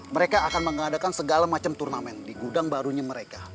mereka akan mengadakan segala macam turnamen di gudang barunya mereka